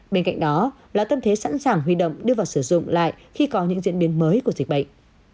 bên cạnh đó là tâm thế sẵn sàng huy động đưa vào sử dụng lại khi có những diễn biến mới của dịch bệnh